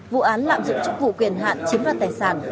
vụ án lạm dụng chức vụ quyền hạn chiếm đoạt tài sản